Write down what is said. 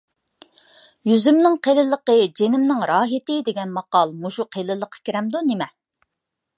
«يۈزۈمنىڭ قېلىنلىقى جېنىمنىڭ راھىتى» دېگەن ماقال مۇشۇ قېلىنلىققا كىرەمدۇ نېمە؟